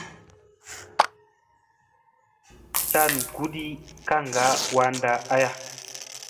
Tlan guɗi kakŋga wanda aya.